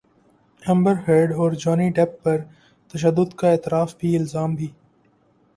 امبر Heard کا Johnny Depp پر تشدد کا اعتراف بھی الزام بھی